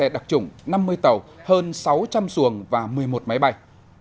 năm mươi tàu hơn sáu trăm linh xuồng và một mươi một máy bay